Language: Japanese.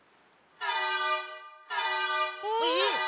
えっ！？